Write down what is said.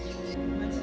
tidak kira kira apa